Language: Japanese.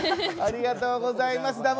ありがとうございます。